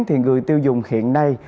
thì người tiêu dùng hiện nay